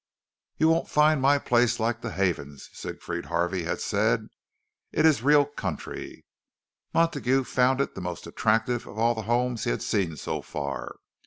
"You won't find my place like Havens's," Siegfried Harvey had said. "It is real country." Montague found it the most attractive of all the homes he had seen so far.